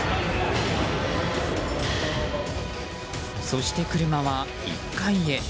そして車は１階へ。